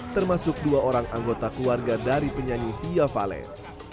termasuk dua orang anggota keluarga dari penyanyi fia valen